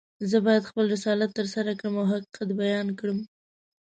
زه باید خپل رسالت ترسره کړم او حقیقت بیان کړم.